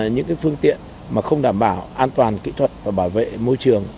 những phương tiện mà không đảm bảo an toàn kỹ thuật và bảo vệ môi trường